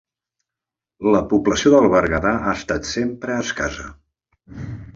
La població del Berguedà ha estat sempre escassa.